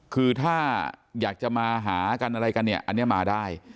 คือถ้าอยากจะมาหากันอะไรกันเนี่ยอันนี้มาได้